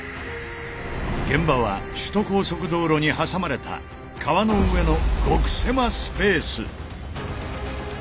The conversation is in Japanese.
現場は首都高速道路に挟まれた川の上の「極狭スペース」！